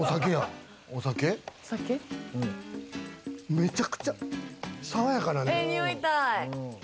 めちゃくちゃ爽やかな。